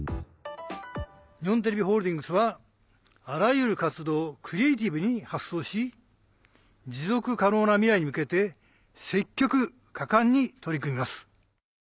日本テレビホールディングスはあらゆる活動をクリエイティブに発想し持続可能な未来に向けて積極果敢に取り組みます。